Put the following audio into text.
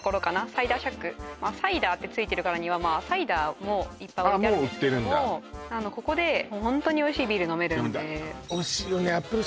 サイダーシャックサイダーってついてるからにはサイダーもいっぱい置いてあるここでホントにおいしいビール飲めるんでおいしいよねアップル